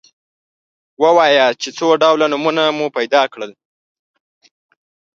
ووایاست چې څو ډوله نومونه مو پیدا کړل.